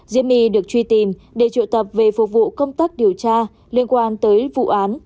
diễm my được truy tìm để trụ tập về phục vụ công tắc điều tra liên quan tới vụ án